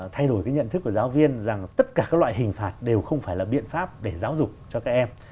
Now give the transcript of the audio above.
thay đổi cái nhận thức của giáo viên rằng tất cả các loại hình phạt đều không phải là biện pháp để giáo dục cho các em